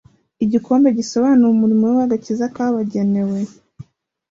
igikombe gisobanura umurimo we w'agakiza kabagenewe.